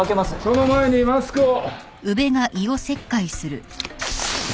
その前にマスクを。